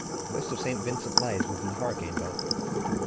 Most of Saint Vincent lies within the Hurricane Belt.